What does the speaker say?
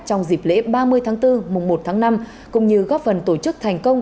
trong dịp lễ ba mươi tháng bốn mùng một tháng năm cũng như góp phần tổ chức thành công